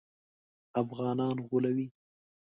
افغانان غولوي.